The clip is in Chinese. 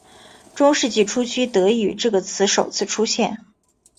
中世纪初期德语这个词首次出现。